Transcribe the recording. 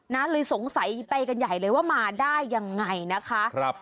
เลยสงสัยไปกันใหญ่เลยว่ามาได้ยังไงนะคะ